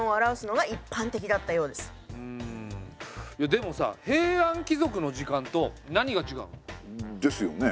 でもさ平安貴族の時間と何がちがうの？ですよね。